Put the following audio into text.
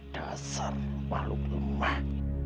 dasar makhluk lemah